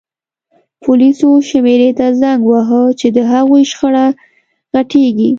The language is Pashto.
پولیسو شمېرې ته زنګ ووهه چې د هغوی شخړه غټیږي